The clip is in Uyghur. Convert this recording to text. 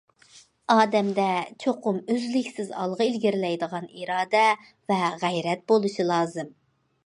ئادەمدە چوقۇم ئۈزلۈكسىز ئالغا ئىلگىرىلەيدىغان ئىرادە ۋە غەيرەت بولۇشى لازىم.